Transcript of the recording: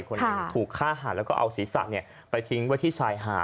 คนหนึ่งถูกฆ่าหันแล้วก็เอาศีรษะไปทิ้งไว้ที่ชายหาด